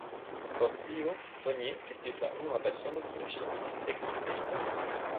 Post tio Sonnier estis la unua persono kiun ŝi vidis ekzekutita.